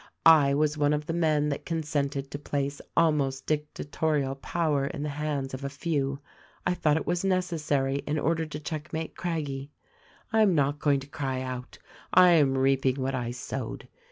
I was one of the men that consented to place almost dictatorial power in the hands of a few ; I thought it was necessary in order to checkmate Craggie. I am not going to cry out — I am reaping what I sowed.